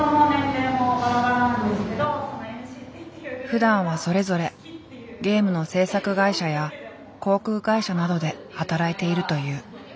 ふだんはそれぞれゲームの制作会社や航空会社などで働いているという。